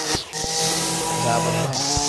nzaba mpari